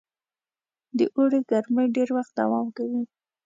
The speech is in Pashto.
د اوړي ګرمۍ ډېر وخت دوام کوي.